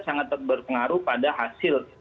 sangat berpengaruh pada hasil